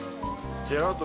・ジェラート